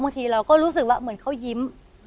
บางทีเราก็รู้สึกว่าเหมือนเขายิ้ม